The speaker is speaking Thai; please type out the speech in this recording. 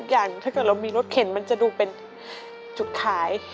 อย่างถ้าเกิดเรามีรถเข็นมันจะดูเป็นจุดขาย